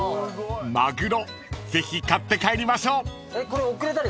［マグロぜひ買って帰りましょう］